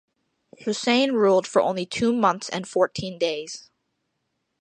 Hussein ruled for only two months and fourteen days.